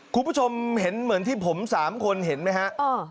คุณผู้ชมเห็นเหมือนที่ผม๓คนเห็นไหมฮะ